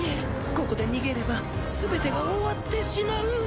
ここで逃げれば全てが終わってしまう。